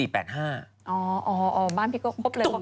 บ้านพี่โก้พบเลย